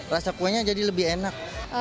rasa kuenya jadi lebih enak